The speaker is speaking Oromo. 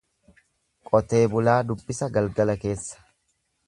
Qotee bulaa dubbisa galgala keessa.